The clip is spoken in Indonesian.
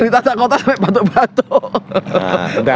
ditatak kota sampai batuk batuk